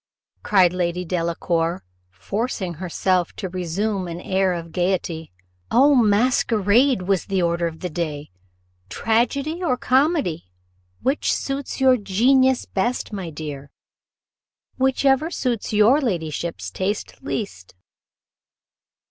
cried Lady Delacour, forcing herself to resume an air of gaiety "O, masquerade was the order of the day tragedy or comedy? which suits your genius best, my dear?" "Whichever suits your ladyship's taste least."